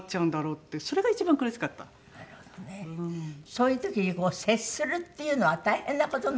そういう時に接するっていうのは大変な事なんですね。